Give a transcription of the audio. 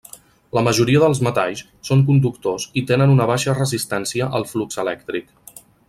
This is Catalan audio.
La majoria dels metalls són conductors i tenen una baixa resistència al flux elèctric.